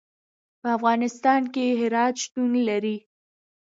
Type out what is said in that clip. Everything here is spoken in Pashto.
په افغانستان کې هرات شتون لري.